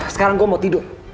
sekarang gue mau tidur